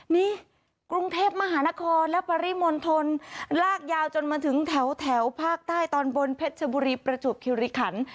นี่กรุงเทพมหานครและปริมณฑลลากยาวจนมาถึงแถวภาคใต้ตอนบนเพชรชบุรีประจวบคิริขัน